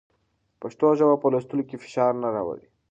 پښتو ژبه په لوستلو کې فشار نه راوړي.